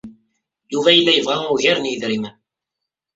Yuba yella yebɣa ugar n yidrimen.